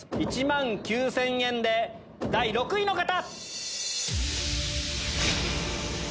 １万９０００円で第６位の方！